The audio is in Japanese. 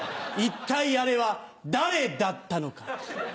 一体あれは誰だったのか。